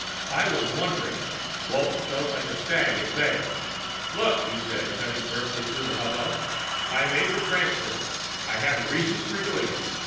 I was wondering " Walton felt like a stag at bay. "Look," he said firmly, cutting through the hubbub, "I made the transfer. I had reasons for doing it.